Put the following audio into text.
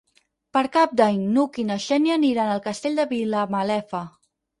Per Cap d'Any n'Hug i na Xènia aniran al Castell de Vilamalefa.